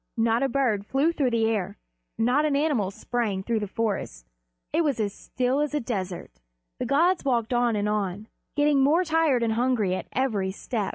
Not a bird flew through the air, not an animal sprang through the trees. It was as still as a desert. The gods walked on and on, getting more tired and hungry at every step.